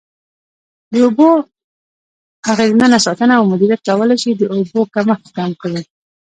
د اوبو اغیزمنه ساتنه او مدیریت کولای شي د اوبو کمښت کم کړي.